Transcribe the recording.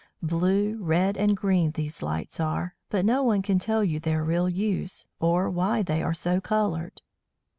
Blue, red, and green these lights are, but no one can tell you their real use, or why they are so coloured.